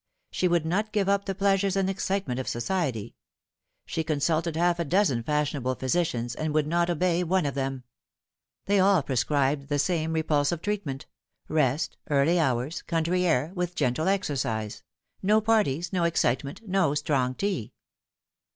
She would not give up the pleasures and excitement of society. She consulted half a dozen fashionable physicians, and would not obey one of them. They all prescribed the same repulsive treatment rest, early hours, country air, with gentle exercise ; no parties, no excitement, no strong tea. Mrs.